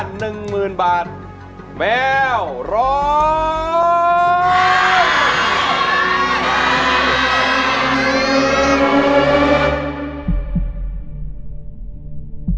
ร้องได้ร้องได้